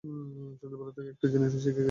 ছোটবেলা থেকে একটি জিনিসই শিখে এসেছি।